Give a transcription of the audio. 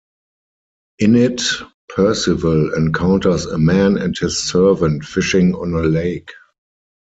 In it, Percival encounters a man and his servant fishing on a lake.